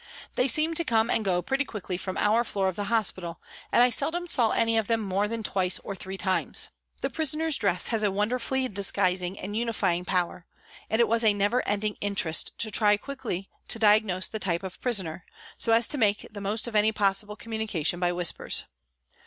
They seemed to come and go pretty quickly from our floor of the hospital, and I seldom saw any of them more than twice or three times. The prisoner's dress has a wonderfully disguising and unifying power, and it was a never ending interest to try quickly to diagnose the type of prisoner, so as to make the most of any possible communication by whispers.